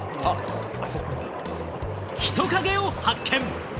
人影を発見！